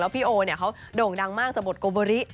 พี่โอเขาโด่งดังมากจากบทโกโบริ